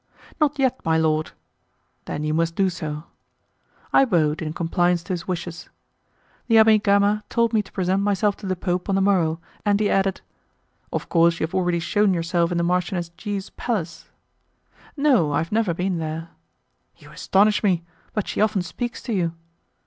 "Not yet, my lord." "Then you must do so." I bowed in compliance to his wishes. The Abbé Gama told me to present myself to the Pope on the morrow, and he added, "Of course you have already shewn yourself in the Marchioness G.'s palace?" "No, I have never been there." "You astonish me; but she often speaks to you!"